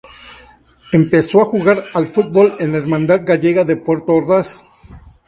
Empezó a jugar al fútbol en la Hermandad Gallega de Puerto Ordaz.